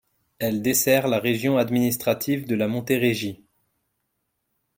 Elle dessert la région administrative de la Montérégie.